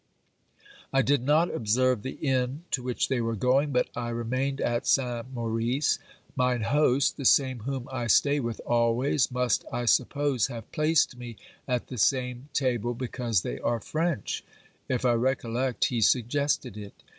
I did not observe the inn to which they were going, but I remained at Saint Maurice. Mine host (the same whom I stay with always) must, I suppose, have placed me at the same table because they are French ; if I recollect, he suggested it.